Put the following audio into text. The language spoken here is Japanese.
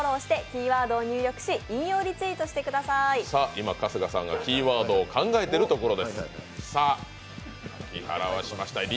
今、春日さんがキーワードを考えているところです。